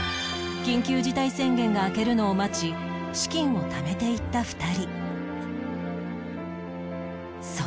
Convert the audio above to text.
緊急事態宣言が明けるのを待ち資金をためていった２人